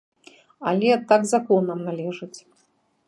Але так законам належыць.